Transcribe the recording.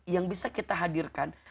yang bisa kita hadirkan